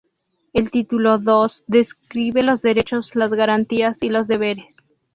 El Título Dos describe los derechos, las garantías y los deberes.